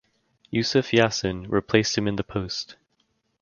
Yusuf Yasin replaced him in the post.